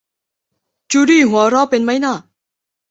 จูดี้หัวเราะเป็นมั้ยนะ